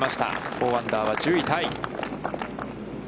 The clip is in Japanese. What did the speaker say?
４アンダーは１０位タイ。